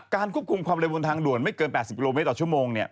ควบคุมความเร็วบนทางด่วนไม่เกิน๘๐กิโลเมตรต่อชั่วโมง